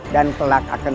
dan pelak akan berjaya